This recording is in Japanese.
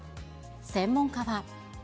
専門家は。